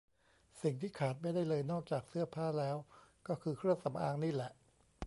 สิ่งที่ขาดไม่ได้เลยนอกจากเสื้อผ้าแล้วก็คือเครื่องสำอางนี่แหละ